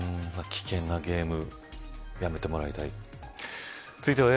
危険なゲームやめてもらいたい。